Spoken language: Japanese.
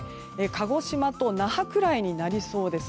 鹿児島と那覇くらいになりそうです。